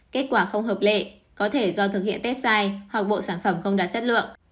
kết quả không hợp lệ có thể do thực hiện tesi hoặc bộ sản phẩm không đạt chất lượng